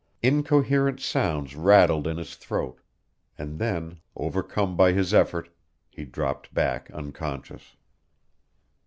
Incoherent sounds rattled in his throat, and then, overcome by his effort, he dropped back unconscious.